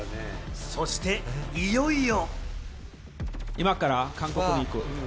そしていよいよ。